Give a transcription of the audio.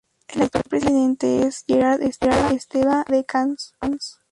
El actual presidente es Gerard Esteva Viladecans.